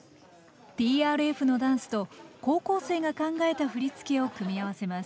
ＴＲＦのダンスと高校生が考えた振り付けを組み合わせます。